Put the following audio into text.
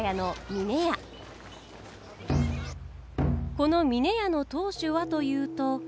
この峰屋の当主はというと。